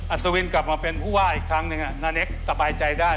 ศวินกลับมาเป็นผู้ว่าอีกครั้งหนึ่งนาเนคสบายใจได้